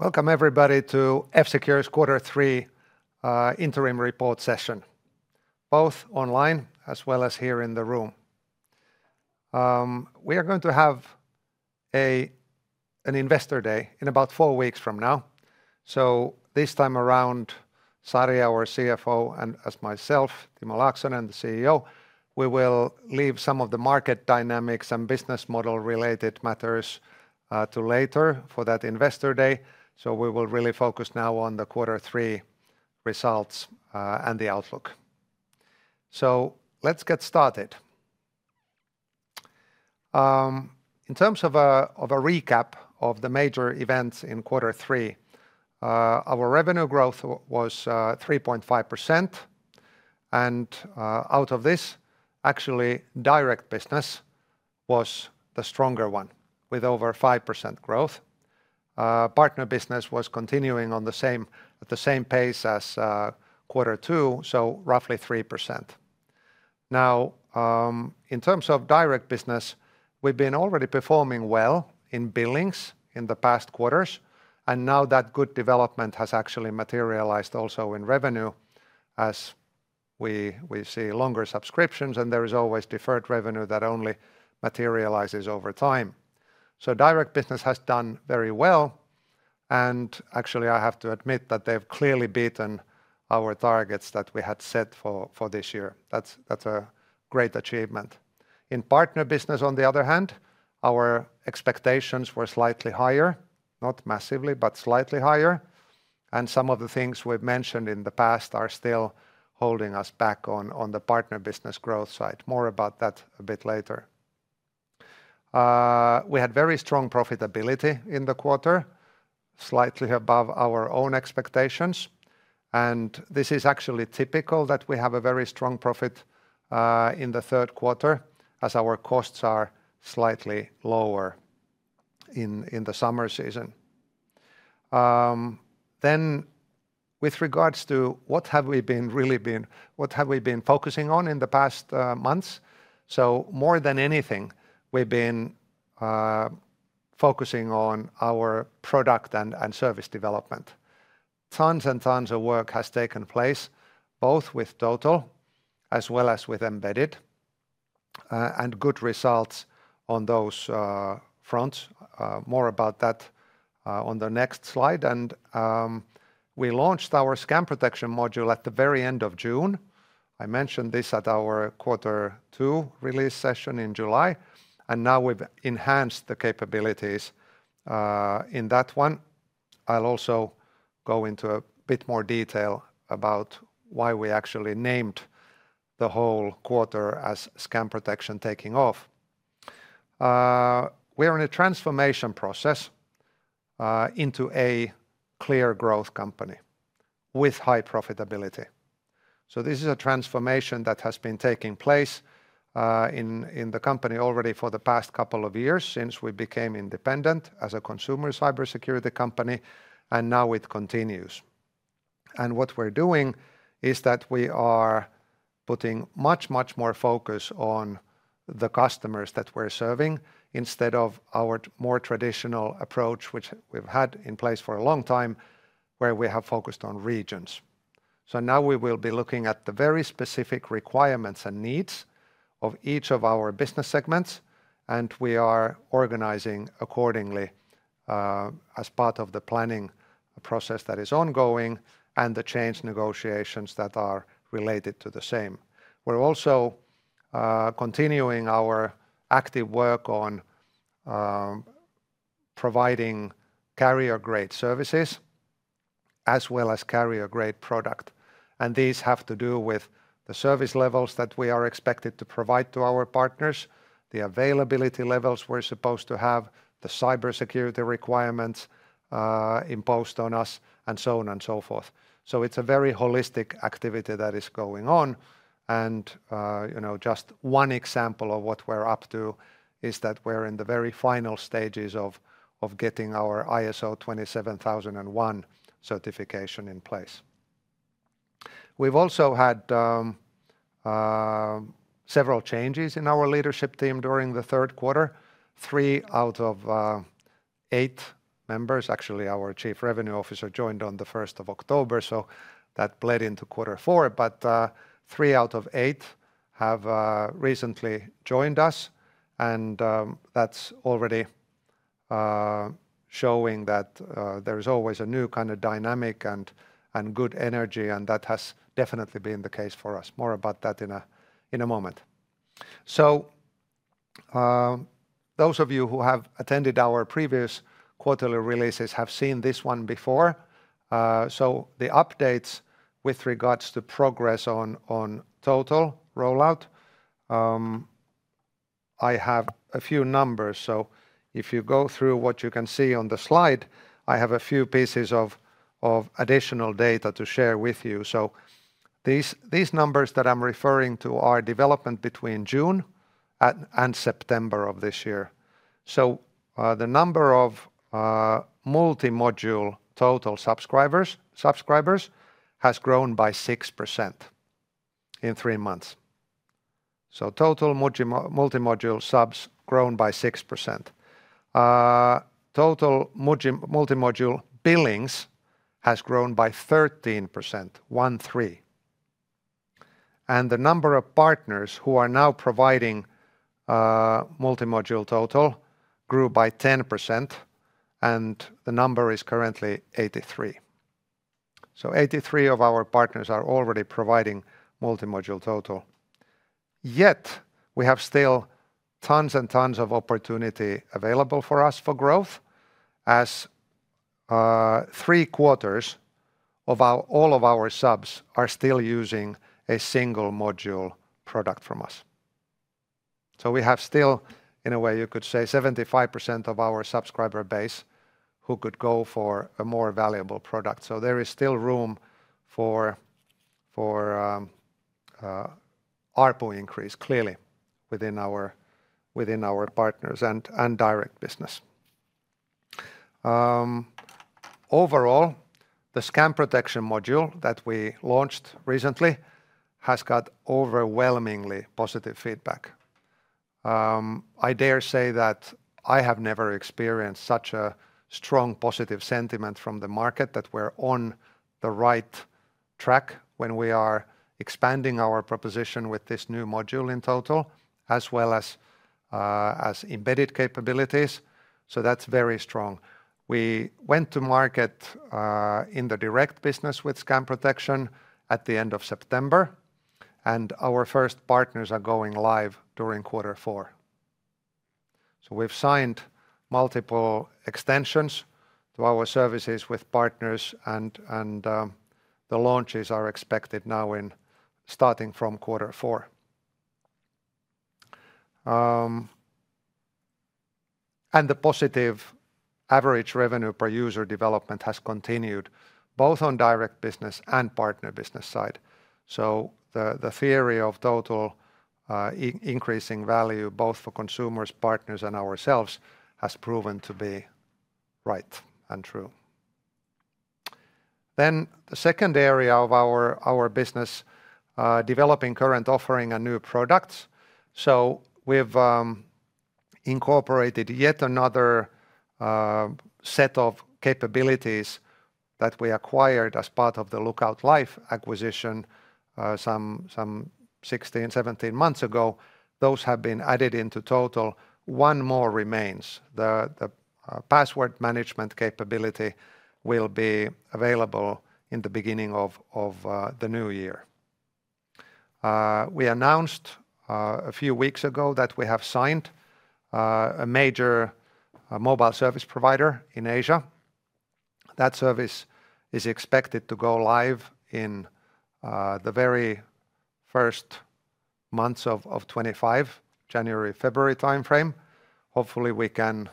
Welcome, everybody, to F-Secure's Quarter Three Interim Report session, both online as well as here in the room. We are going to have an investor day in about four weeks from now. So this time around, Sari, our CFO, and as myself, Timo Laaksonen, the CEO, we will leave some of the market dynamics and business model-related matters to later for that investor day. So we will really focus now on the Quarter Three results and the outlook. So let's get started. In terms of a recap of the major events in Quarter Three, our revenue growth was 3.5%, and out of this, actually, direct business was the stronger one, with over 5% growth. Partner business was continuing on the same, at the same pace as Quarter Two, so roughly 3%. Now, in terms of direct business, we've been already performing well in billings in the past quarters, and now that good development has actually materialized also in revenue, as we see longer subscriptions, and there is always deferred revenue that only materializes over time. So direct business has done very well, and actually, I have to admit that they've clearly beaten our targets that we had set for this year. That's a great achievement. In partner business, on the other hand, our expectations were slightly higher, not massively, but slightly higher, and some of the things we've mentioned in the past are still holding us back on the partner business growth side. More about that a bit later. We had very strong profitability in the quarter, slightly above our own expectations, and this is actually typical that we have a very strong profit in the third quarter, as our costs are slightly lower in the summer season, then with regards to what have we been focusing on in the past months, so more than anything, we've been focusing on our product and service development. Tons and tons of work has taken place, both with Total as well as with Embedded, and good results on those fronts. More about that on the next slide. We launched our Scam Protection module at the very end of June. I mentioned this at our Quarter Two release session in July, and now we've enhanced the capabilities in that one. I'll also go into a bit more detail about why we actually named the whole quarter as Scam Protection Taking Off. We are in a transformation process into a clear growth company with high profitability. So this is a transformation that has been taking place in the company already for the past couple of years since we became independent as a consumer cybersecurity company, and now it continues. And what we're doing is that we are putting much, much more focus on the customers that we're serving instead of our more traditional approach, which we've had in place for a long time, where we have focused on regions. So now we will be looking at the very specific requirements and needs of each of our business segments, and we are organizing accordingly, as part of the planning process that is ongoing and the change negotiations that are related to the same. We're also continuing our active work on providing carrier-grade services as well as carrier-grade product, and these have to do with the service levels that we are expected to provide to our partners, the availability levels we're supposed to have, the cybersecurity requirements imposed on us, and so on and so forth. So it's a very holistic activity that is going on, and you know, just one example of what we're up to is that we're in the very final stages of getting our ISO 27001 certification in place. We've also had several changes in our leadership team during the third quarter. Three out of eight members. Actually, our Chief Revenue Officer joined on the 1st of October, so that bled into quarter four, but three out of eight have recently joined us, and that's already showing that there is always a new kind of dynamic and good energy, and that has definitely been the case for us. More about that in a moment. So those of you who have attended our previous quarterly releases have seen this one before. So the updates with regards to progress on Total rollout, I have a few numbers. So if you go through what you can see on the slide, I have a few pieces of additional data to share with you. These numbers that I'm referring to are development between June and September of this year. The number of multi-module Total subscribers has grown by 6% in three months. Total multi-module subs grown by 6%. Total multi-module billings has grown by 13%, one, three. The number of partners who are now providing multi-module Total grew by 10%, and the number is currently 83. Eighty-three of our partners are already providing multi-module Total. Yet, we have still tons and tons of opportunity available for us for growth, as three quarters of all of our subs are still using a single module product from us. We have still, in a way, you could say, 75% of our subscriber base who could go for a more valuable product. So there is still room for ARPU increase, clearly, within our partners and direct business. Overall, the Scam Protection module that we launched recently has got overwhelmingly positive feedback. I dare say that I have never experienced such a strong positive sentiment from the market that we're on the right track when we are expanding our proposition with this new module in Total, as well as embedded capabilities, so that's very strong. We went to market in the direct business with Scam Protection at the end of September, and our first partners are going live during quarter four. So we've signed multiple extensions to our services with partners, and the launches are expected now starting from quarter four. And the positive average revenue per user development has continued both on direct business and partner business side. So the theory of Total increasing value, both for consumers, partners, and ourselves, has proven to be right and true. Then the second area of our business developing current offering and new products. So we've incorporated yet another set of capabilities that we acquired as part of the Lookout Life acquisition some 16, 17 months ago. Those have been added into Total. One more remains. The password management capability will be available in the beginning of the new year. We announced a few weeks ago that we have signed a major mobile service provider in Asia. That service is expected to go live in the very first months of 2025, January, February timeframe. Hopefully, we can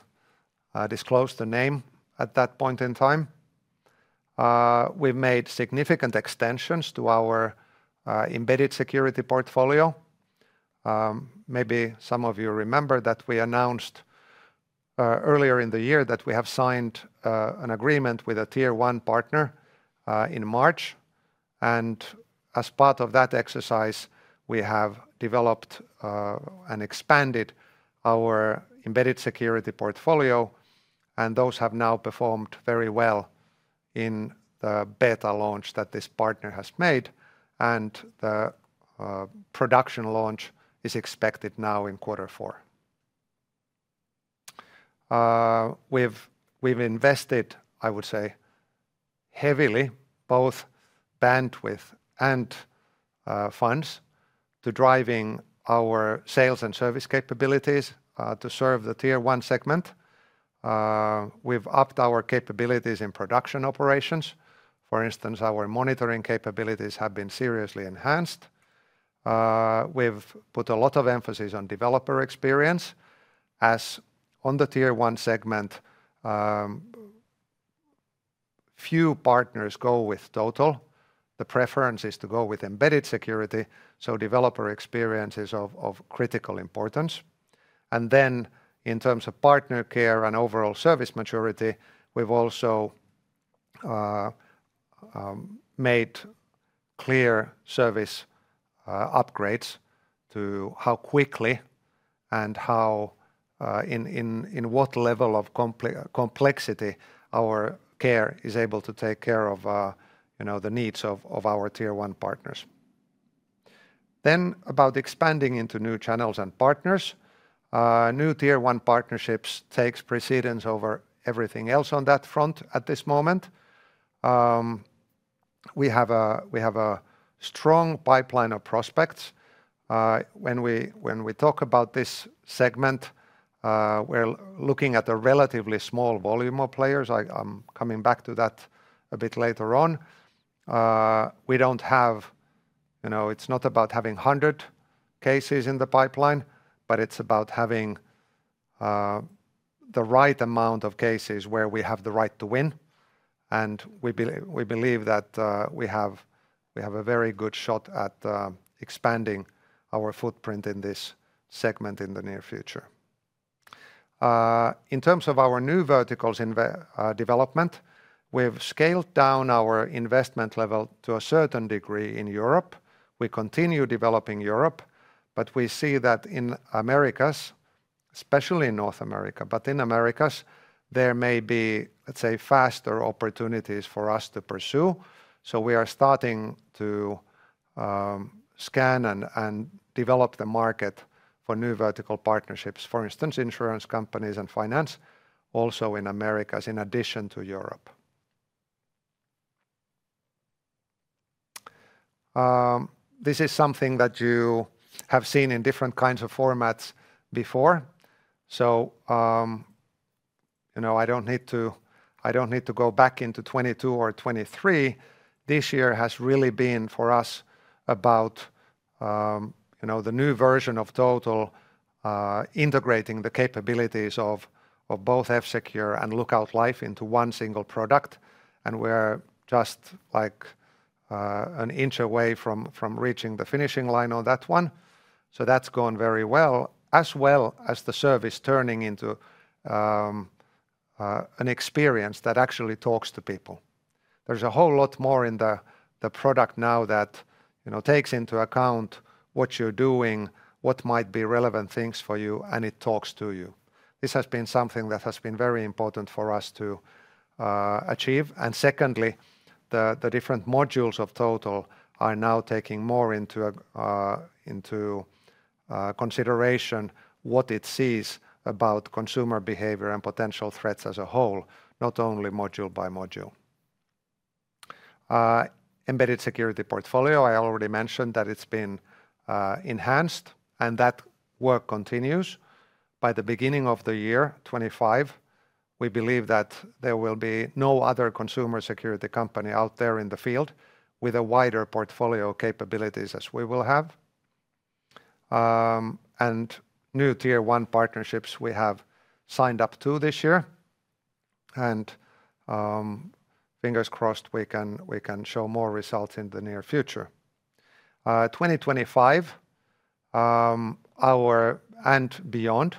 disclose the name at that point in time. We've made significant extensions to our embedded security portfolio. Maybe some of you remember that we announced earlier in the year that we have signed an agreement with a Tier One partner in March, and as part of that exercise, we have developed and expanded our embedded security portfolio, and those have now performed very well in the beta launch that this partner has made, and the production launch is expected now in quarter four. We've invested, I would say, heavily, both bandwidth and funds, to driving our sales and service capabilities to serve the Tier One segment. We've upped our capabilities in production operations. For instance, our monitoring capabilities have been seriously enhanced. We've put a lot of emphasis on developer experience, as on the Tier One segment, few partners go with Total. The preference is to go with embedded security, so developer experience is of critical importance. In terms of partner care and overall service maturity, we've also made clear service upgrades to how quickly and how in what level of complexity our care is able to take care of, you know, the needs of our Tier One partners. About expanding into new channels and partners, new Tier One partnerships takes precedence over everything else on that front at this moment. We have a strong pipeline of prospects. When we talk about this segment, we're looking at a relatively small volume of players. I'm coming back to that a bit later on. We don't have... You know, it's not about having hundred cases in the pipeline, but it's about having the right amount of cases where we have the right to win, and we believe that we have a very good shot at expanding our footprint in this segment in the near future. In terms of our new verticals in development, we've scaled down our investment level to a certain degree in Europe. We continue developing Europe, but we see that in Americas, especially in North America, but in Americas, there may be, let's say, faster opportunities for us to pursue. So we are starting to scan and develop the market for new vertical partnerships, for instance, insurance companies and finance, also in Americas in addition to Europe. This is something that you have seen in different kinds of formats before, so you know, I don't need to go back into 2022 or 2023. This year has really been, for us, about you know, the new version of Total, integrating the capabilities of both F-Secure and Lookout Life into one single product, and we're just, like, an inch away from reaching the finishing line on that one. So that's gone very well, as well as the service turning into an experience that actually talks to people. There's a whole lot more in the product now that, you know, takes into account what you're doing, what might be relevant things for you, and it talks to you. This has been something that has been very important for us to achieve, and secondly, the different modules of Total are now taking more into consideration what it sees about consumer behavior and potential threats as a whole, not only module by module. Embedded Security portfolio, I already mentioned that it's been enhanced, and that work continues. By the beginning of the year, 2025, we believe that there will be no other consumer security company out there in the field with a wider portfolio capabilities as we will have. And new Tier 1 partnerships we have signed up to this year, and fingers crossed we can show more results in the near future. 2025 and beyond,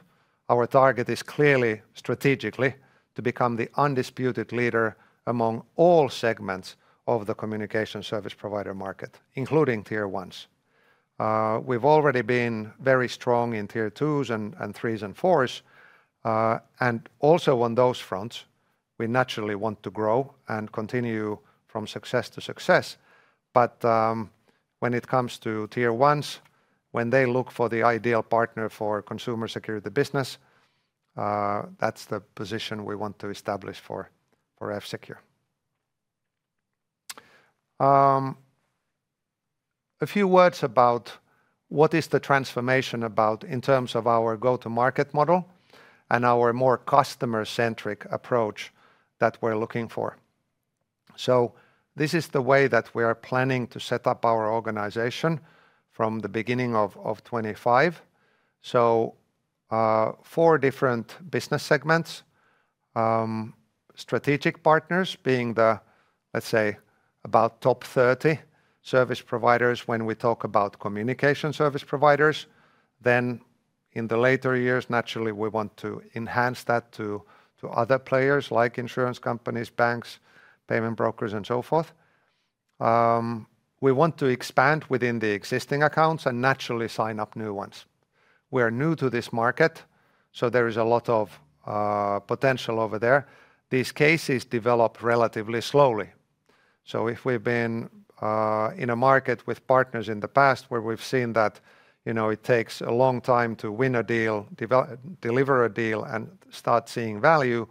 our target is clearly, strategically, to become the undisputed leader among all segments of the communication service provider market, including Tier 1s. We've already been very strong in Tier 2s and 3s and 4s, and also on those fronts, we naturally want to grow and continue from success to success. But when it comes to Tier 1s, when they look for the ideal partner for consumer security business, that's the position we want to establish for F-Secure. A few words about what is the transformation about in terms of our go-to-market model and our more customer-centric approach that we're looking for. This is the way that we are planning to set up our organization from the beginning of 2025. Four different business segments. Strategic partners being the, let's say, about top 30 service providers when we talk about communication service providers. Then, in the later years, naturally, we want to enhance that to other players, like insurance companies, banks, payment brokers, and so forth. We want to expand within the existing accounts and naturally sign up new ones. We are new to this market, so there is a lot of potential over there. These cases develop relatively slowly, so if we've been in a market with partners in the past where we've seen that, you know, it takes a long time to win a deal, deliver a deal, and start seeing value,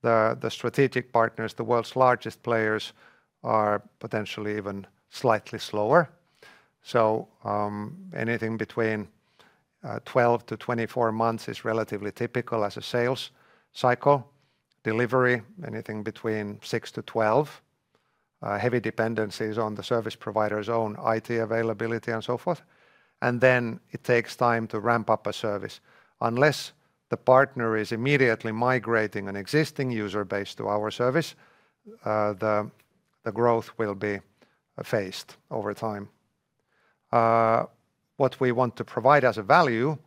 the strategic partners, the world's largest players, are potentially even slightly slower, so anything between 12-24 months is relatively typical as a sales cycle. Delivery, anything between six to 12. Heavy dependencies on the service provider's own IT availability and so forth, and then it takes time to ramp up a service. Unless the partner is immediately migrating an existing user base to our service, the growth will be phased over time. What we want to provide as a value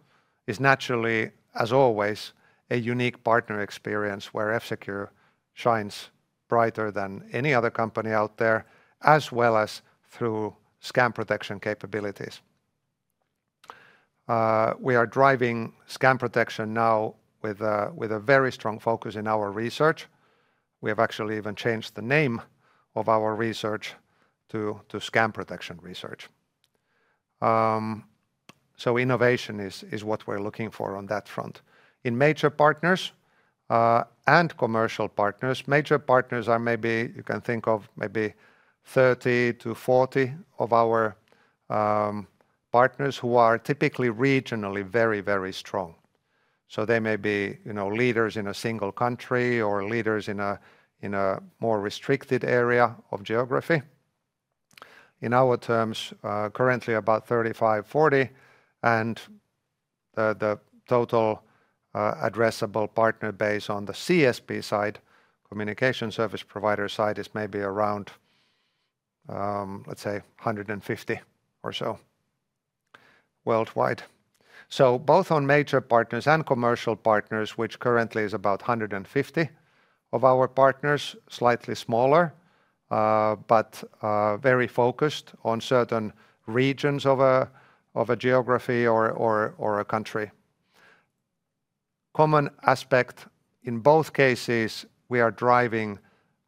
is naturally, as always, a unique partner experience where F-Secure shines brighter than any other company out there, as well as through Scam Protection capabilities. We are driving Scam Protection now with a very strong focus in our research. We have actually even changed the name of our research to Scam Protection Research. So innovation is what we're looking for on that front. In major partners and commercial partners, major partners are maybe you can think of maybe 30-40 of our partners, who are typically regionally very, very strong. So they may be, you know, leaders in a single country or leaders in a more restricted area of geography. In our terms, currently about 35, 40, and the total addressable partner base on the CSP side, communication service provider side, is maybe around, let's say, 150 or so worldwide, so both on major partners and commercial partners, which currently is about 150 of our partners, slightly smaller, but very focused on certain regions of a geography or a country. Common aspect, in both cases, we are driving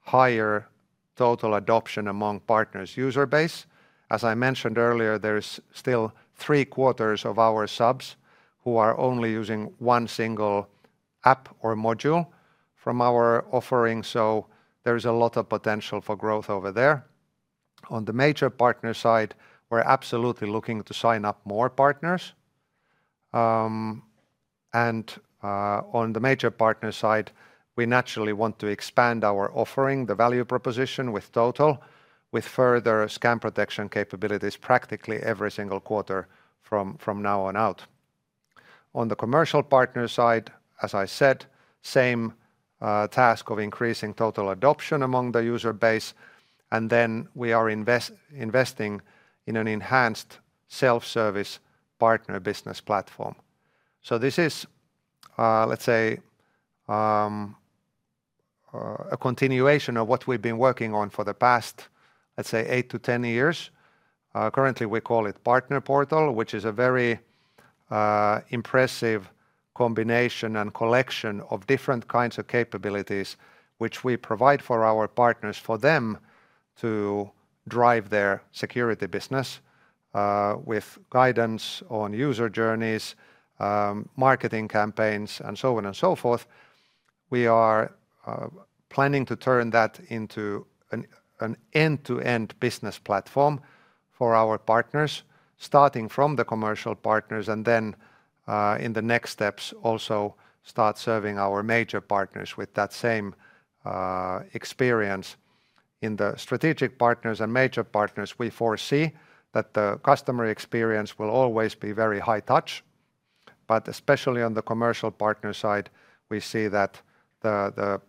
higher total adoption among partners' user base. As I mentioned earlier, there is still three quarters of our subs who are only using one single app or module from our offering, so there is a lot of potential for growth over there. On the major partner side, we're absolutely looking to sign up more partners. On the major partner side, we naturally want to expand our offering, the value proposition with Total, with further Scam Protection capabilities practically every single quarter from now on out. On the commercial partner side, as I said, same task of increasing Total adoption among the user base, and then we are investing in an enhanced self-service partner business platform. This is, let's say, a continuation of what we've been working on for the past, let's say, eight to 10 years. Currently we call it Partner Portal, which is a very impressive combination and collection of different kinds of capabilities, which we provide for our partners, for them to drive their security business, with guidance on user journeys, marketing campaigns, and so on and so forth. We are planning to turn that into an end-to-end business platform for our partners, starting from the commercial partners, and then in the next steps, also start serving our major partners with that same experience. In the strategic partners and major partners, we foresee that the customer experience will always be very high touch, but especially on the commercial partner side, we see that the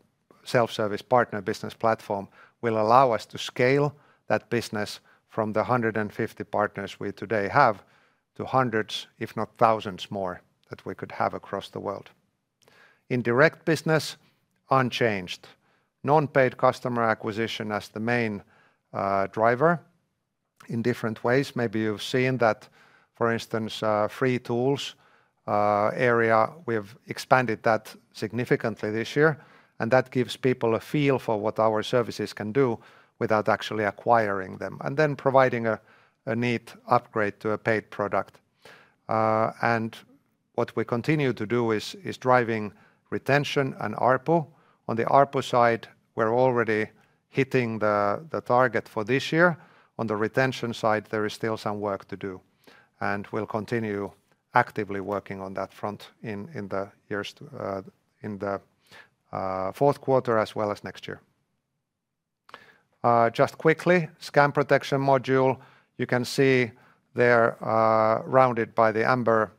self-service partner business platform will allow us to scale that business from the hundred and fifty partners we today have to hundreds, if not thousands more, that we could have across the world. In direct business, unchanged. Non-paid customer acquisition as the main driver in different ways. Maybe you've seen that, for instance, free tools area, we've expanded that significantly this year, and that gives people a feel for what our services can do without actually acquiring them, and then providing a neat upgrade to a paid product. And what we continue to do is driving retention and ARPU. On the ARPU side, we're already hitting the target for this year. On the retention side, there is still some work to do, and we'll continue actively working on that front in the years in the fourth quarter as well as next year. Just quickly, Scam Protection module, you can see there, rounded by the amber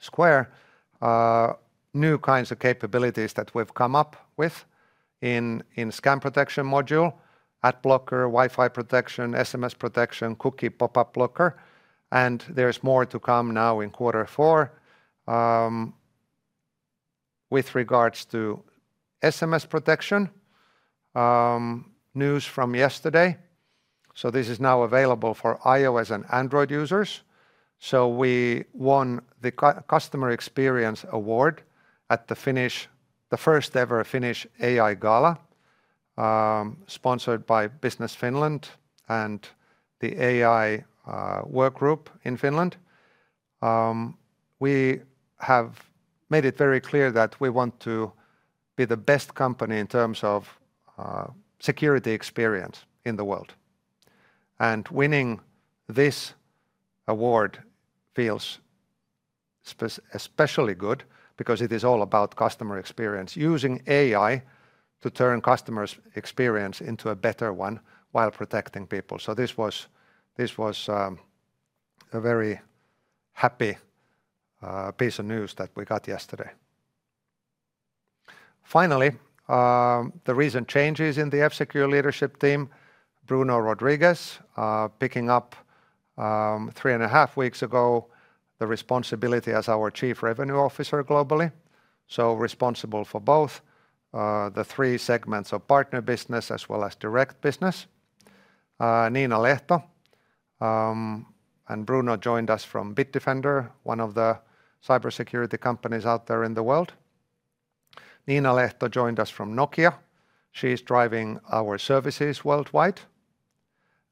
square, new kinds of capabilities that we've come up with in Scam Protection module: ad blocker, Wi-Fi protection, SMS protection, cookie pop-up blocker, and there's more to come now in quarter four. With regards to SMS protection, news from yesterday, so this is now available for iOS and Android users. So we won the Customer Experience Award at the first-ever Finnish AI Gala, sponsored by Business Finland and the AI work group in Finland. We have made it very clear that we want to be the best company in terms of security experience in the world, and winning this award feels especially good because it is all about customer experience, using AI to turn customers' experience into a better one while protecting people. So this was a very happy piece of news that we got yesterday. Finally, the recent changes in the F-Secure leadership team, Bruno Rodrigues picking up three and a half weeks ago the responsibility as our Chief Revenue Officer globally, so responsible for both the three segments of partner business as well as direct business. Niina Lehto and Bruno joined us from Bitdefender, one of the cybersecurity companies out there in the world. Niina Lehto joined us from Nokia. She's driving our services worldwide.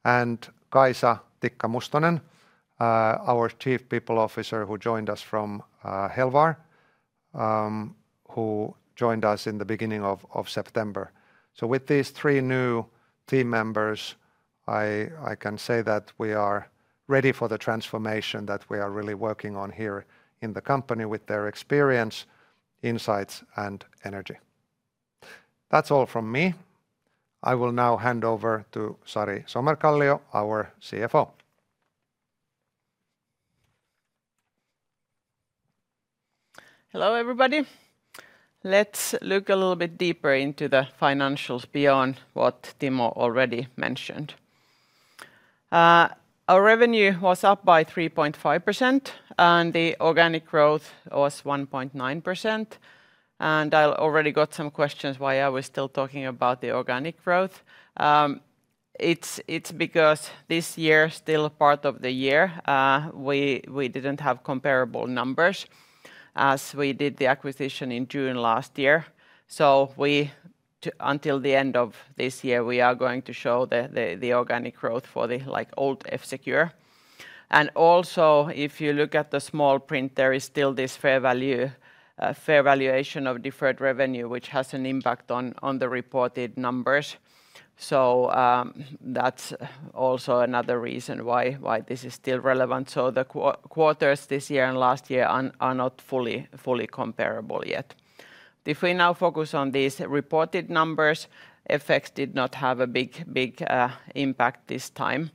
And Kaisa Tikka-Mustonen, our Chief People Officer, who joined us from Helvar, who joined us in the beginning of September. So with these three new team members, I can say that we are ready for the transformation that we are really working on here in the company with their experience, insights, and energy. That's all from me. I will now hand over to Sari Somerkallio, our CFO.... Hello, everybody. Let's look a little bit deeper into the financials beyond what Timo already mentioned. Our revenue was up by 3.5%, and the organic growth was 1.9%. I already got some questions why are we still talking about the organic growth? It's because this year, still part of the year, we didn't have comparable numbers, as we did the acquisition in June last year, so until the end of this year, we are going to show the organic growth for the, like, old F-Secure, and also, if you look at the small print, there is still this fair value, fair valuation of deferred revenue, which has an impact on the reported numbers, so that's also another reason why this is still relevant. So the quarters this year and last year are not fully comparable yet. If we now focus on these reported numbers, FX did not have a big impact this time.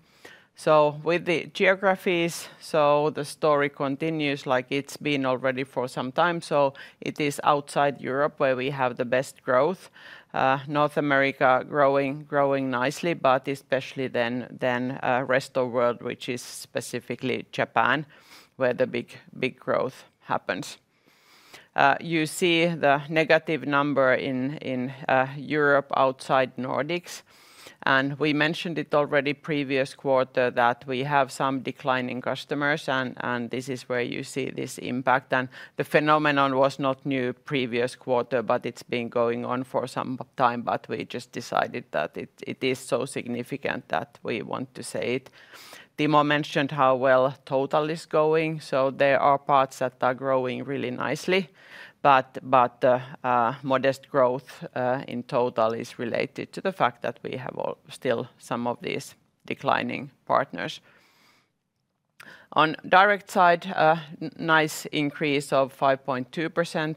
So with the geographies, so the story continues like it's been already for some time. So it is outside Europe, where we have the best growth. North America growing nicely, but especially than rest of world, which is specifically Japan, where the big growth happens. You see the negative number in Europe, outside Nordics, and we mentioned it already previous quarter that we have some declining customers, and this is where you see this impact. And the phenomenon was not new previous quarter, but it's been going on for some time, but we just decided that it is so significant that we want to say it. Timo mentioned how well total is going, so there are parts that are growing really nicely. But modest growth in total is related to the fact that we have still some of these declining partners. On direct side, a nice increase of 5.2%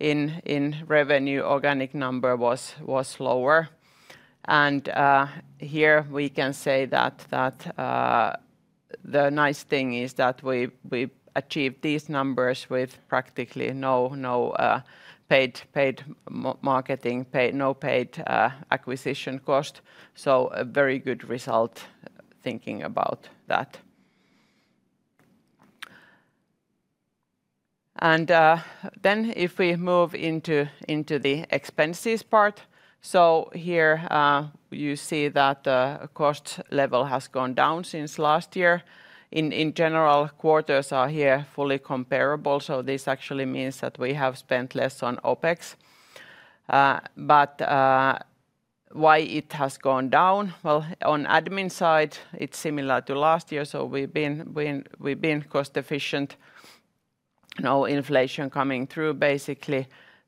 in revenue. Organic number was lower. And here we can say that the nice thing is that we achieved these numbers with practically no paid marketing. No paid acquisition cost, so a very good result thinking about that. If we move into the expenses part, so here you see that the cost level has gone down since last year. In general, quarters are here fully comparable, so this actually means that we have spent less on OpEx. Why it has gone down? On admin side, it's similar to last year, so we've been cost efficient. No inflation coming through, basically.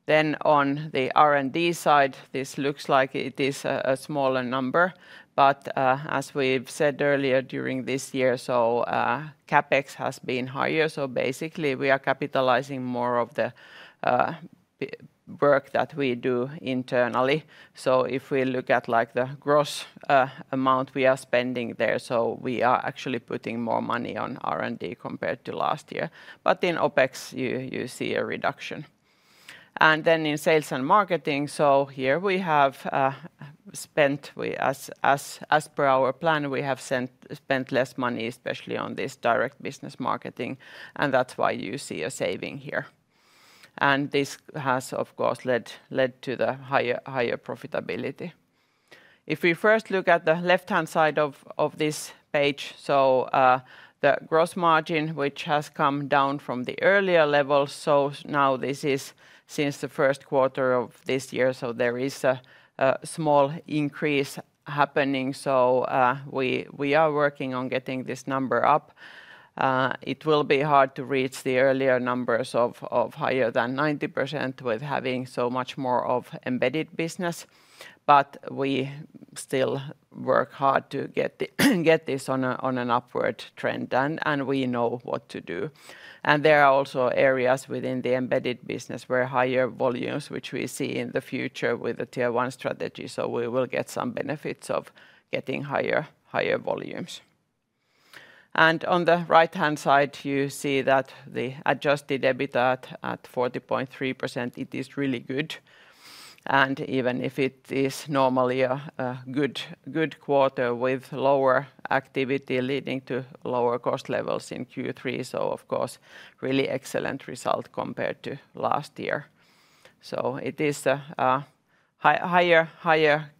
On the R&D side, this looks like it is a smaller number, but as we've said earlier during this year, so CapEx has been higher. So basically, we are capitalizing more of the work that we do internally. So if we look at, like, the gross amount we are spending there, so we are actually putting more money on R&D compared to last year. But in OpEx, you see a reduction. And then in sales and marketing, so here we have spent, as per our plan, we have spent less money, especially on this direct business marketing, and that's why you see a saving here. And this has, of course, led to the higher profitability. If we first look at the left-hand side of this page, so the gross margin, which has come down from the earlier levels, so now this is since the first quarter of this year, so there is a small increase happening. So we are working on getting this number up. It will be hard to reach the earlier numbers of higher than 90% with having so much more of embedded business, but we still work hard to get this on an upward trend, and we know what to do and there are also areas within the embedded business where higher volumes, which we see in the future with the Tier 1 strategy, so we will get some benefits of getting higher volumes. And on the right-hand side, you see that the Adjusted EBITDA at 40.3%, it is really good, and even if it is normally a good quarter with lower activity, leading to lower cost levels in Q3, so of course, really excellent result compared to last year. So it is higher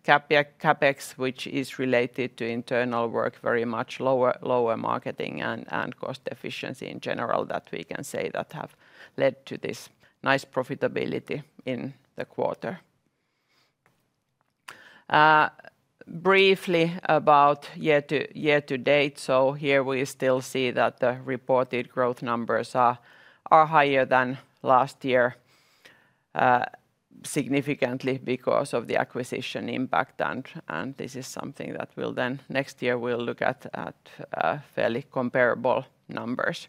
CapEx, which is related to internal work, very much lower marketing and cost efficiency in general, that we can say have led to this nice profitability in the quarter. Briefly about year to date, so here we still see that the reported growth numbers are higher than last year, significantly because of the acquisition impact. And this is something that next year we'll look at fairly comparable numbers.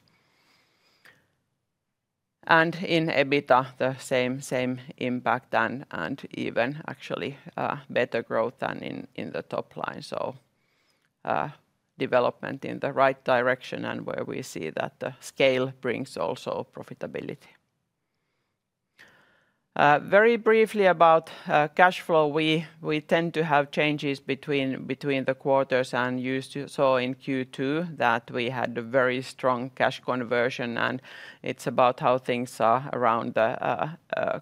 And in EBITDA, the same impact and even actually better growth than in the top line, development in the right direction, and where we see that the scale brings also profitability. Very briefly about cash flow. We tend to have changes between the quarters, and you saw in Q2 that we had a very strong cash conversion, and it's about how things are around the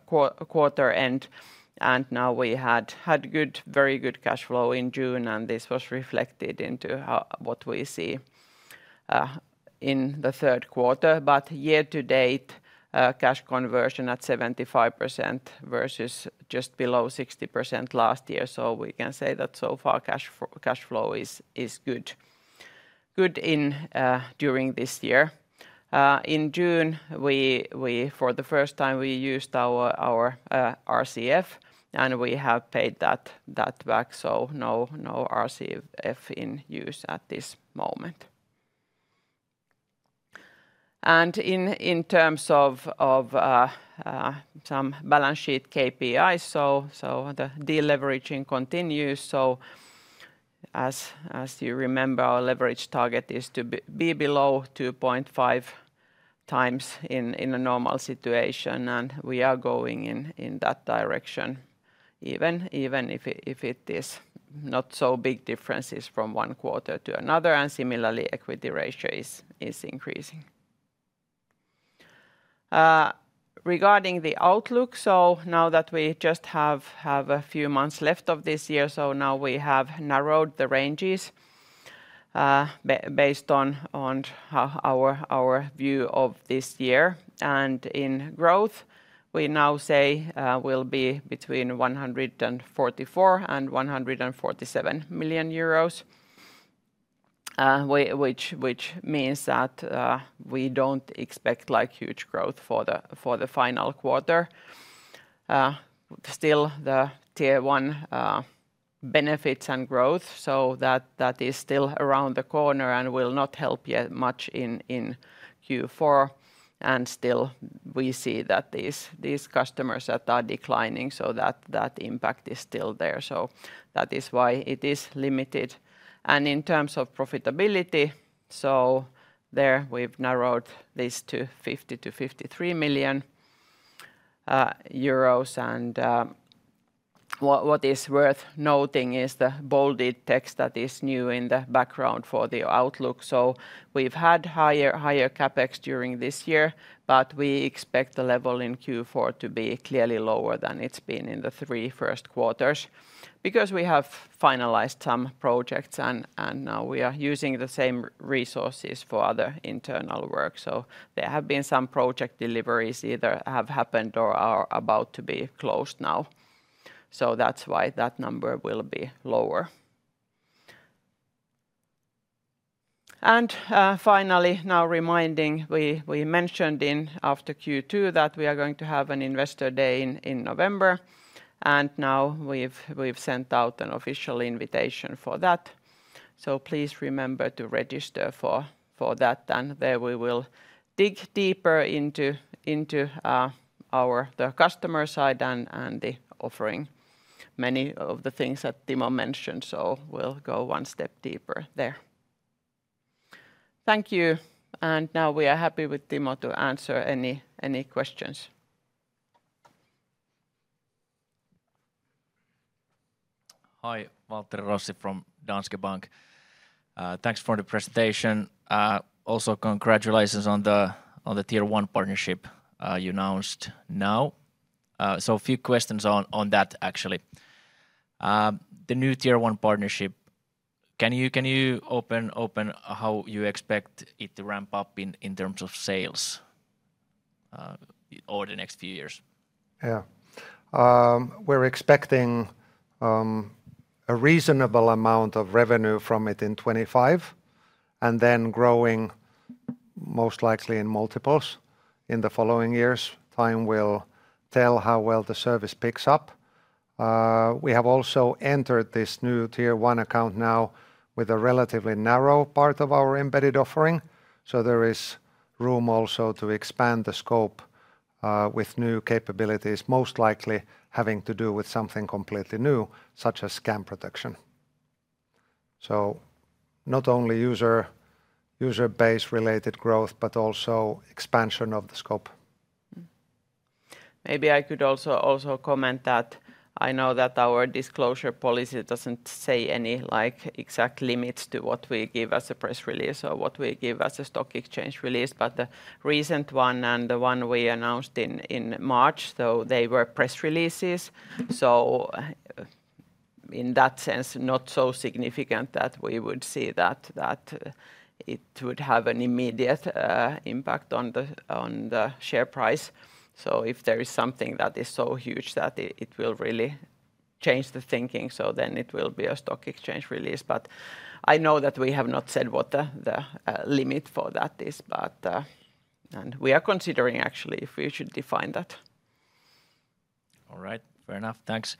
quarter end. And now we had had good, very good cash flow in June, and this was reflected into what we see in the third quarter. But year to date, cash conversion at 75% versus just below 60% last year. So we can say that so far, cash flow is good, good during this year. In June, we for the first time we used our RCF, and we have paid that back, so no RCF in use at this moment. And in terms of some balance sheet KPI, so the deleveraging continues. So, as you remember, our leverage target is to be below 2.5 times in a normal situation, and we are going in that direction, even if it is not so big differences from one quarter to another, and similarly, equity ratio is increasing. Regarding the outlook, now that we just have a few months left of this year, now we have narrowed the ranges based on our view of this year, and in growth we now say we'll be between 144 million and 147 million euros, which means that we don't expect, like, huge growth for the final quarter. Still, the Tier 1 benefits and growth, so that is still around the corner and will not help yet much in Q4. And still, we see that these customers that are declining, so that impact is still there. So that is why it is limited. And in terms of profitability, so there we've narrowed this to 50-53 million euros. And what is worth noting is the bolded text that is new in the background for the outlook. So we've had higher CapEx during this year, but we expect the level in Q4 to be clearly lower than it's been in the three first quarters. Because we have finalized some projects, and now we are using the same resources for other internal work. So there have been some project deliveries either have happened or are about to be closed now. So that's why that number will be lower. And finally, now reminding, we mentioned in... after Q2, that we are going to have an investor day in November, and now we've sent out an official invitation for that. So please remember to register for that, and there we will dig deeper into the customer side and the offering, many of the things that Timo mentioned, so we'll go one step deeper there. Thank you, and now we are happy with Timo to answer any questions. Hi, Walter Rossi from Danske Bank. Thanks for the presentation. Also congratulations on the Tier 1 partnership you announced now. So a few questions on that, actually. The new Tier 1 partnership, can you open how you expect it to ramp up in terms of sales over the next few years? Yeah. We're expecting a reasonable amount of revenue from it in 2025, and then growing most likely in multiples in the following years. Time will tell how well the service picks up. We have also entered this new Tier 1 account now with a relatively narrow part of our embedded offering, so there is room also to expand the scope with new capabilities, most likely having to do with something completely new, such as scam protection. So not only user-base related growth, but also expansion of the scope. Maybe I could also comment that I know that our disclosure policy doesn't say any, like, exact limits to what we give as a press release or what we give as a stock exchange release. But the recent one and the one we announced in March, so they were press releases. So in that sense, not so significant that we would see that it would have an immediate impact on the share price. So if there is something that is so huge that it will really change the thinking, so then it will be a stock exchange release. But I know that we have not said what the limit for that is, but... And we are considering actually if we should define that. All right. Fair enough. Thanks.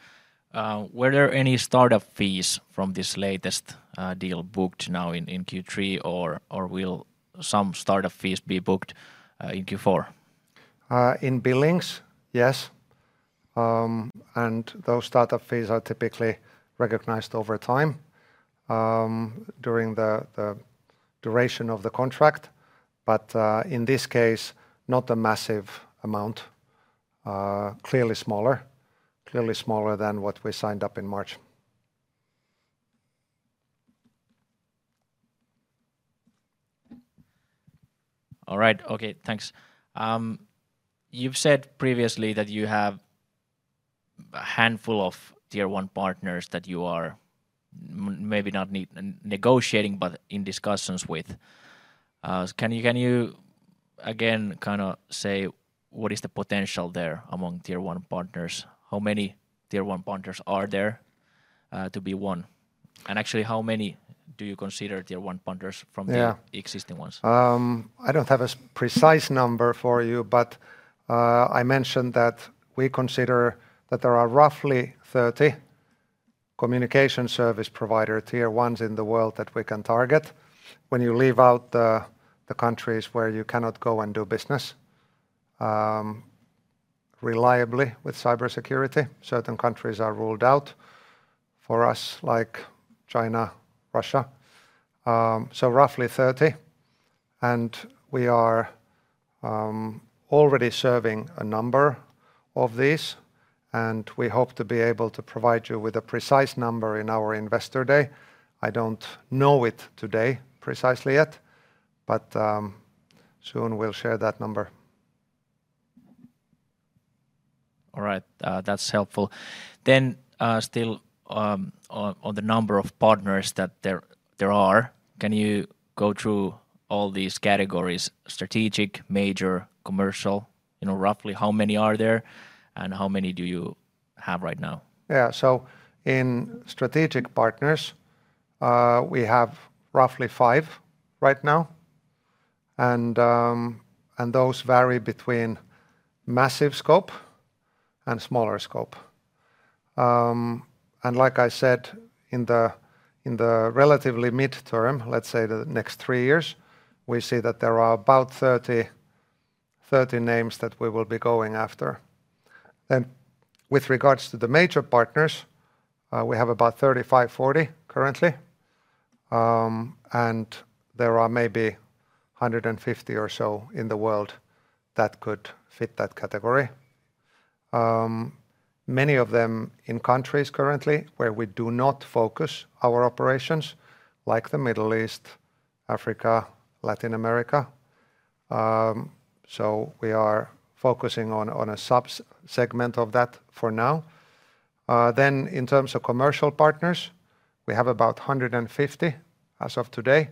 Were there any startup fees from this latest deal booked now in Q3, or will some startup fees be booked in Q4? In billings? Yes. And those startup fees are typically recognized over time, during the duration of the contract. But, in this case, not a massive amount. Clearly smaller than what we signed up in March. All right. Okay, thanks. You've said previously that you have a handful of Tier 1 partners that you are maybe not negotiating, but in discussions with. So can you again kind of say what is the potential there among Tier 1 partners? How many Tier 1 partners are there to be won? And actually, how many do you consider Tier 1 partners from the- Yeah... existing ones? I don't have a precise number for you, but I mentioned that we consider that there are roughly 30 communication service provider Tier 1s in the world that we can target. When you leave out the countries where you cannot go and do business reliably with cybersecurity, certain countries are ruled out for us, like China, Russia, so roughly 30, and we are already serving a number of these, and we hope to be able to provide you with a precise number in our investor day. I don't know it today precisely yet, but soon we'll share that number. All right. That's helpful. Then, still, on the number of partners that there are, can you go through all these categories: strategic, major, commercial? You know, roughly how many are there, and how many do you have right now? Yeah. So in strategic partners, we have roughly five right now, and those vary between massive scope and smaller scope. Like I said, in the relatively midterm, let's say the next three years, we see that there are about 30, 30 names that we will be going after. Then with regards to the major partners, we have about 35-40 currently. And there are maybe 150 or so in the world that could fit that category. Many of them in countries currently where we do not focus our operations, like the Middle East, Africa, Latin America. So we are focusing on a sub-segment of that for now. Then in terms of commercial partners, we have about 150 as of today,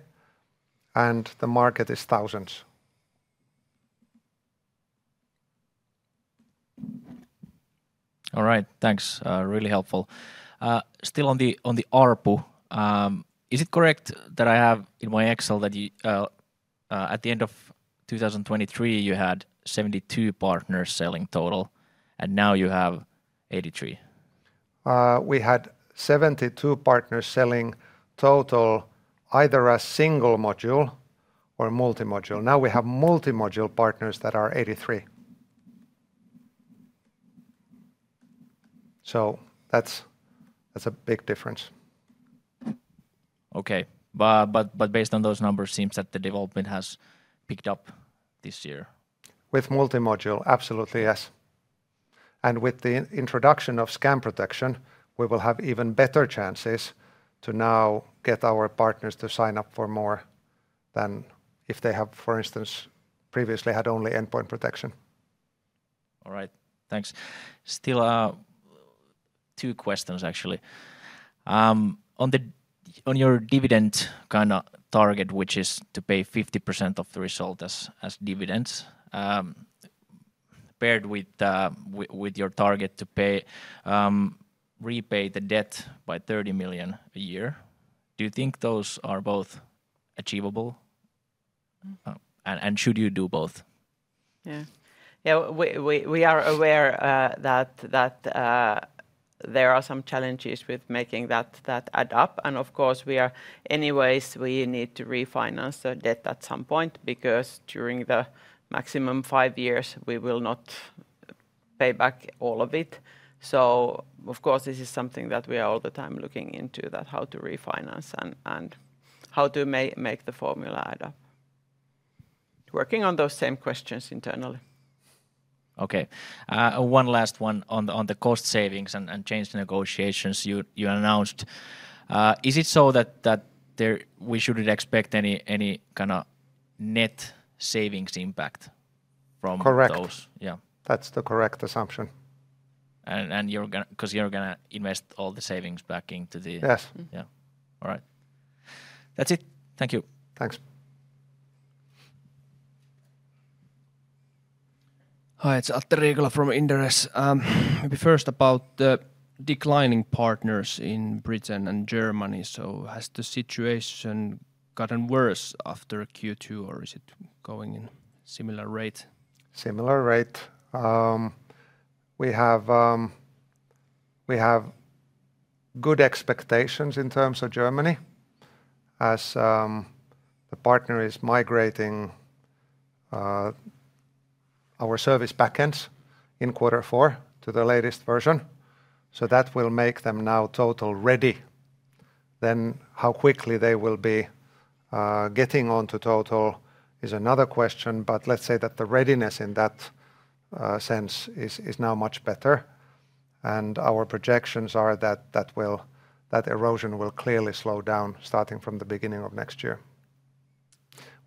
and the market is thousands. All right. Thanks. Really helpful. Still on the ARPU, is it correct that I have in my Excel that you at the end of 2023, you had 72 partners selling total, and now you have 83? We had 72 partners selling Total, either a single module or a multi-module. Now we have multi-module partners that are 83. So that's a big difference. Okay. But based on those numbers, seems that the development has picked up this year. With multi-module, absolutely, yes. With the introduction of Scam Protection, we will have even better chances to now get our partners to sign up for more than if they have, for instance, previously had only endpoint protection. All right. Thanks. Still, two questions, actually. On your dividend kind of target, which is to pay 50% of the result as dividends, paired with your target to repay the debt by 30 million a year, do you think those are both achievable? And should you do both? Yeah, we are aware that there are some challenges with making that add up, and of course, anyways, we need to refinance the debt at some point, because during the maximum five years, we will not pay back all of it, so of course, this is something that we are all the time looking into, that how to refinance and how to make the formula add up, working on those same questions internally. Okay. One last one on the cost savings and change negotiations you announced. Is it so that we shouldn't expect any kind of net savings impact from those? Correct. Yeah. That's the correct assumption. You're gonna invest all the savings back into the- Yes. Mm-hmm. Yeah. All right. That's it. Thank you. Thanks. Hi, it's Atte Riikola from Inderes. Maybe first about the declining partners in Britain and Germany, so has the situation gotten worse after Q2, or is it going in similar rate? Similar rate. We have good expectations in terms of Germany, as the partner is migrating our service backends in quarter four to the latest version. So that will make them now total ready. Then how quickly they will be getting onto total is another question, but let's say that the readiness in that sense is now much better, and our projections are that that erosion will clearly slow down starting from the beginning of next year.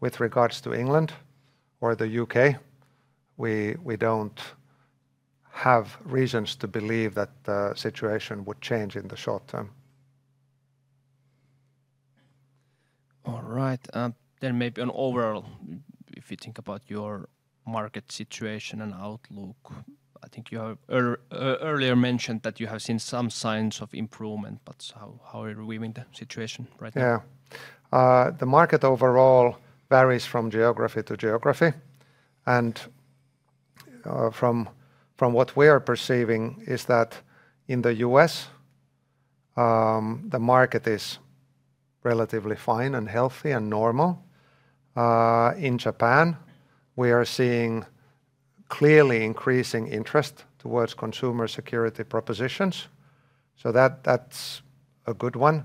With regards to England or the UK, we don't have reasons to believe that the situation would change in the short term. All right, then maybe an overall, if you think about your market situation and outlook, I think you have earlier mentioned that you have seen some signs of improvement, but how are we in the situation right now? Yeah. The market overall varies from geography to geography, and from what we are perceiving is that in the U.S., the market is relatively fine and healthy and normal. In Japan, we are seeing clearly increasing interest towards consumer security propositions, so that's a good one.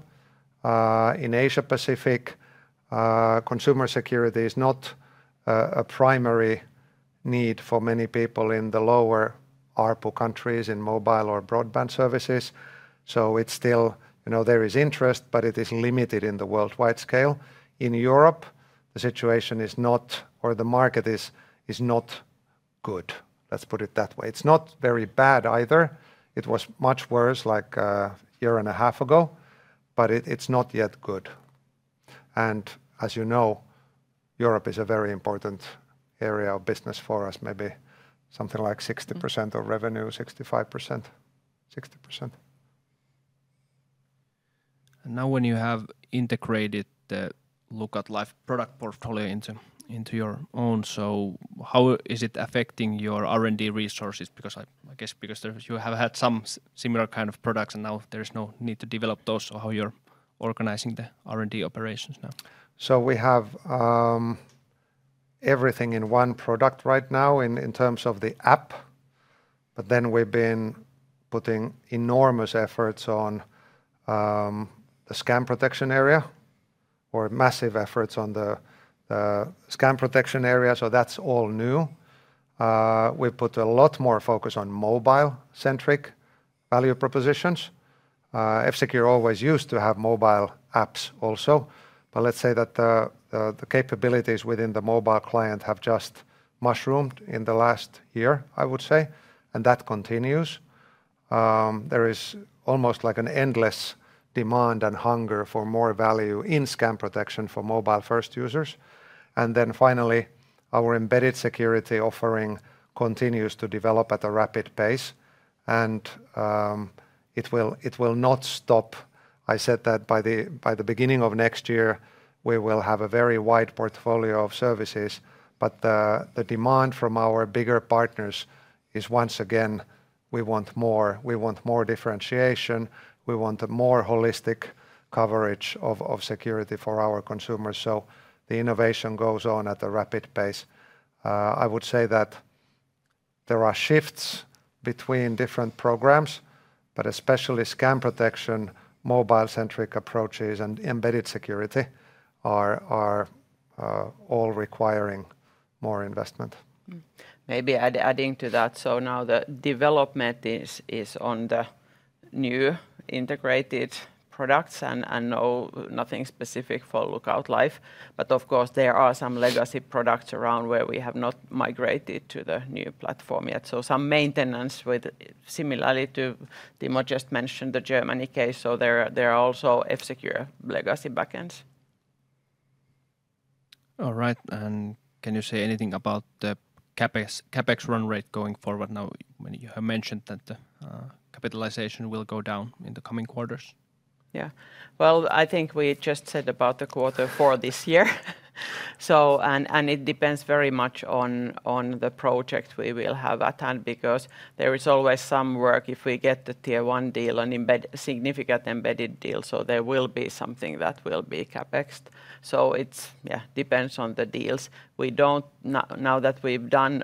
In Asia Pacific, consumer security is not a primary need for many people in the lower ARPU countries in mobile or broadband services, so it's still... You know, there is interest, but it is limited in the worldwide scale. In Europe, the situation is not, or the market is, not good. Let's put it that way. It's not very bad either. It was much worse, like, a year and a half ago, but it's not yet good, and as you know, Europe is a very important area of business for us, maybe something like 60%- Mm... of revenue, 65%, 60%. Now when you have integrated the Lookout Life product portfolio into your own, so how is it affecting your R&D resources? Because I guess because there you have had some similar kind of products, and now there is no need to develop those, so how you're organizing the R&D operations now? So we have everything in one product right now in terms of the app, but then we've been putting enormous efforts on the scam protection area, or massive efforts on the scam protection area, so that's all new. We've put a lot more focus on mobile-centric value propositions. F-Secure always used to have mobile apps also, but let's say that the capabilities within the mobile client have just mushroomed in the last year, I would say, and that continues. There is almost like an endless demand and hunger for more value in scam protection for mobile-first users, and then finally, our embedded security offering continues to develop at a rapid pace, and it will not stop. I said that by the beginning of next year, we will have a very wide portfolio of services, but the demand from our bigger partners is once again, "We want more. We want more differentiation. We want a more holistic coverage of security for our consumers." So the innovation goes on at a rapid pace. I would say that there are shifts between different programs, but especially scam protection, mobile-centric approaches, and embedded security are all requiring more investment. Maybe adding to that, so now the development is on the new integrated products and no, nothing specific for Lookout Life, but of course, there are some legacy products around where we have not migrated to the new platform yet. So some maintenance with, similarly to Timo just mentioned the Germany case, so there are also F-Secure legacy backends. All right, and can you say anything about the CapEx, CapEx run rate going forward now when you have mentioned that the capitalization will go down in the coming quarters? Yeah. Well, I think we just said about the quarter for this year. So. And it depends very much on the project we will have at hand because there is always some work if we get the Tier 1 deal and a significant embedded deal, so there will be something that will be CapExed. So it yeah depends on the deals. Now that we've done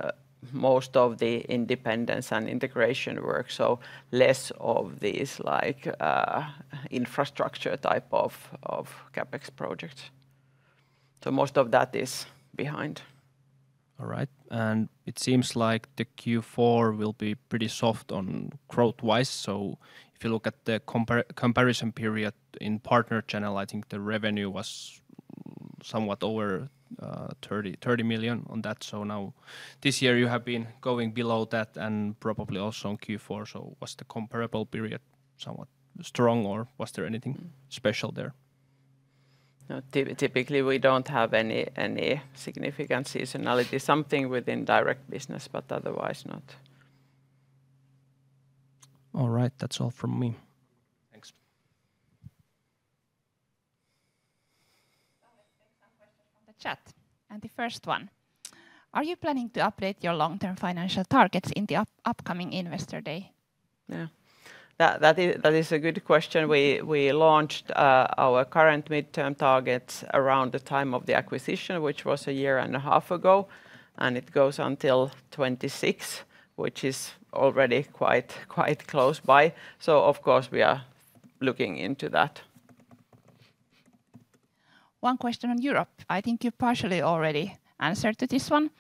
most of the acquisitions and integration work, so less of these like infrastructure type of CapEx projects. So most of that is behind. All right, and it seems like the Q4 will be pretty soft on growth-wise, so if you look at the comparison period in partner general, I think the revenue was somewhat over 33 million on that, so now this year you have been going below that and probably also in Q4. So was the comparable period somewhat strong, or was there anything special there? No, typically, we don't have any significant seasonality. Something within direct business, but otherwise not. All right. That's all from me. ... the chat, and the first one: Are you planning to update your long-term financial targets in the upcoming Investor Day? Yeah. That is a good question. We launched our current midterm targets around the time of the acquisition, which was a year and a half ago, and it goes until 2026, which is already quite close by. So of course, we are looking into that. One question on Europe. I think you partially already answered to this one,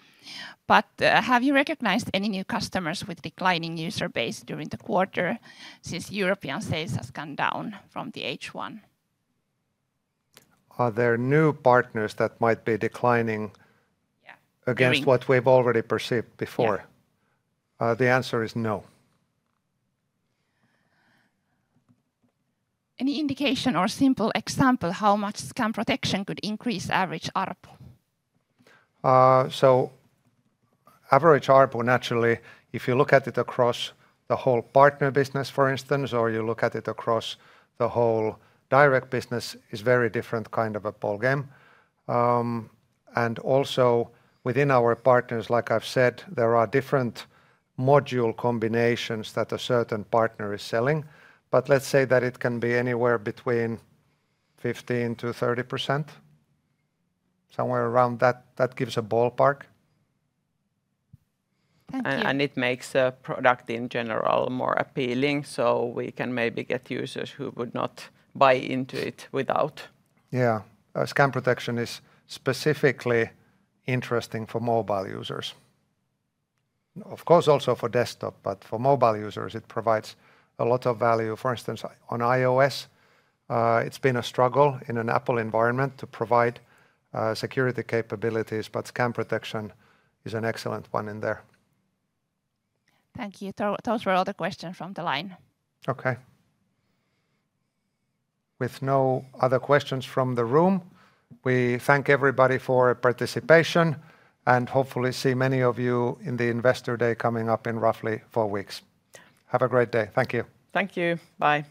but have you recognized any new customers with declining user base during the quarter since European sales has gone down from the H1? Are there new partners that might be declining? Yeah, doing-... against what we've already perceived before? Yeah. The answer is no. Any indication or simple example how much scam protection could increase average ARPU? So average ARPU, naturally, if you look at it across the whole partner business, for instance, or you look at it across the whole direct business, is very different kind of a ballgame. And also within our partners, like I've said, there are different module combinations that a certain partner is selling. But let's say that it can be anywhere between 15%-30%, somewhere around that. That gives a ballpark. Thank you. It makes the product, in general, more appealing, so we can maybe get users who would not buy into it without. Yeah. Scam protection is specifically interesting for mobile users. Of course, also for desktop, but for mobile users it provides a lot of value. For instance, on iOS, it's been a struggle in an Apple environment to provide security capabilities, but scam protection is an excellent one in there. Thank you. Those were all the questions from the line. Okay. With no other questions from the room, we thank everybody for participation, and hopefully see many of you in the Investor Day coming up in roughly four weeks. Have a great day. Thank you. Thank you. Bye.